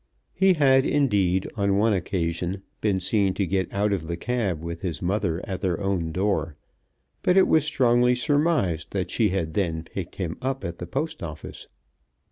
He had, indeed, on one occasion been seen to get out of the cab with his mother at their own door, but it was strongly surmised that she had then picked him up at the Post Office.